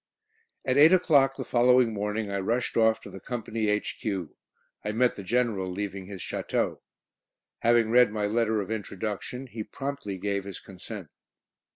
At eight o'clock the following morning I rushed off to the Company H.Q. I met the General leaving his château. Having read my letter of introduction, he promptly gave his consent.